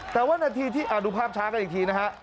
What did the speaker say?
แต่ว่านาทีที่ดูภาพช้ากันอีกทีนะฮะ